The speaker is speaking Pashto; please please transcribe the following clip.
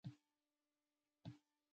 دا ډول چلند له ښځو سره هم کیږي.